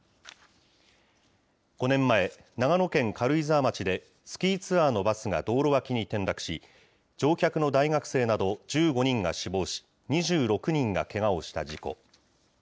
５年前、長野県軽井沢町で、スキーツアーのバスが道路脇に転落し、乗客の大学生など１５人が死亡し、２６人がけがをした事故。